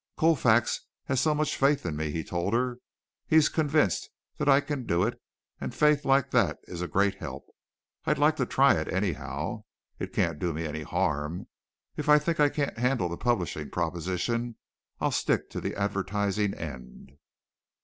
"Colfax has so much faith in me," he told her. "He's convinced that I can do it, and faith like that is a great help. I'd like to try it, anyhow. It can't do me any harm. If I think I can't handle the publishing proposition I'll stick to the advertising end."